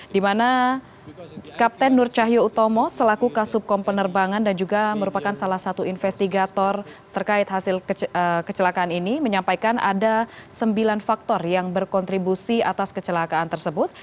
di mana kapten nur cahyo utomo selaku kasubkom penerbangan dan juga merupakan salah satu investigator terkait hasil kecelakaan ini menyampaikan ada sembilan faktor yang berkontribusi atas kecelakaan tersebut